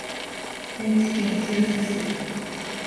愛知県清須市